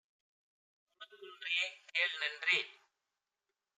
குணக்குன்றே! - கேள்நன்றே!